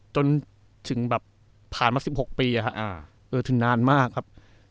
จนถึงแบบผ่านมา๑๖ปีถึงนานมากครับ